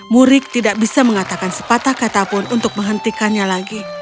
murik tidak bisa mengatakan sepatah kata pun untuk menghentikannya lagi